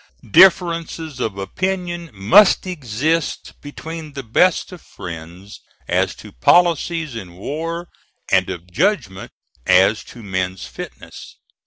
Differences of opinion must exist between the best of friends as to policies in war, and of judgment as to men's fitness.